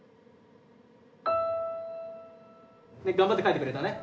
頑張って書いてくれたね。